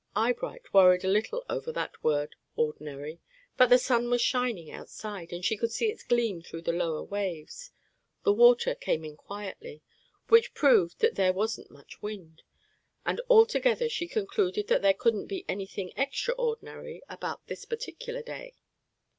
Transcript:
Eyebright worried a little over that word "ordinary," but the sun was shining outside, and she could see its gleam through the lower waves; the water came in quietly, which proved that there wasn't much wind; and altogether she concluded that there couldn't be any thing extraordinary about this particular day.